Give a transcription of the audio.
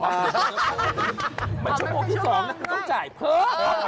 เหมือนชั่วโมงที่สองต้องจ่ายเพิ่ม